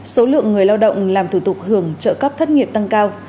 số lượng người lao động làm thủ tục hưởng trợ cấp thất nghiệp tăng cao